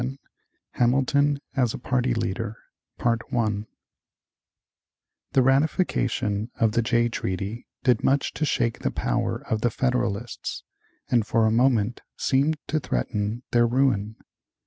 VII HAMILTON AS A PARTY LEADER The ratification of the Jay treaty did much to shake the power of the Federalists, and for a moment seemed to threaten their ruin.